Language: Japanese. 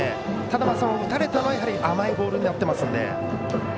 ただ、打たれたのは甘いボールになっていますので。